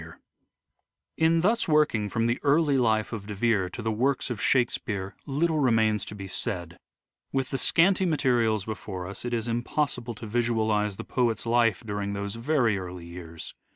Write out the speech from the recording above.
Early poetry In thus working from the early life of De Vere to the works of Shakespeare little remains to be said. With the scanty materials before us it is impossible to visualise the poet's life during those very early years.